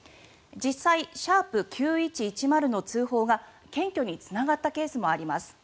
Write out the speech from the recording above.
実際「＃９１１０」の通報が検挙につながったケースもあります。